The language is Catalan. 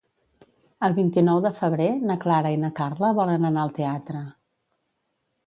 El vint-i-nou de febrer na Clara i na Carla volen anar al teatre.